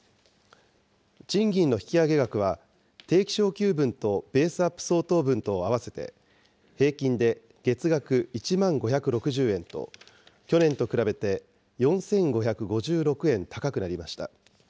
賃金の引き上げ額は、定期昇給分とベースアップ相当分とを合わせて、平均で月額１万５６０円と、去年と比べて４５５６円高くなりました。